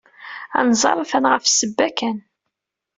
Anẓar atan ɣef ssebba kan.